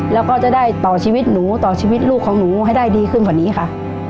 แล้วก็จะได้ต่อชีวิตหนูต่อชีวิตลูกของหนูให้ได้ดีขึ้นกว่านี้ค่ะ